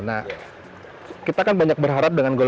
nah kita kan banyak berharap dan berharap